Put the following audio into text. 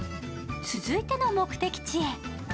続いての目的地へ。